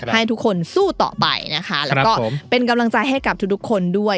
ให้ทุกคนสู้ต่อไปนะคะแล้วก็เป็นกำลังใจให้กับทุกคนด้วย